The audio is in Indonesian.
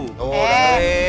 oh udah beli